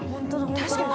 確かに。